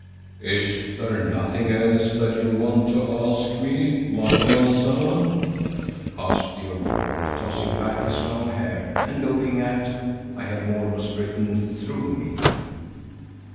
"Is there nothing else that you want to ask me, Macumazahn?" asked the old dwarf, tossing back his long hair and looking at—I had almost written through—me.